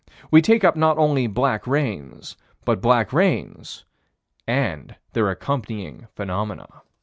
We take up not only black rains but black rains and their accompanying phenomena.